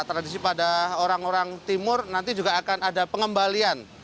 tradisi pada orang orang timur nanti juga akan ada pengembalian